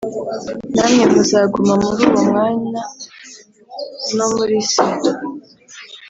namwe muzaguma muri uwo Mwana no muri Se.